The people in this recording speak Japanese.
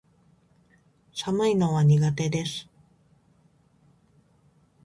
寒いのは苦手です